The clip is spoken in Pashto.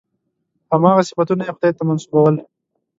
هماغه صفتونه یې خدای ته منسوبول.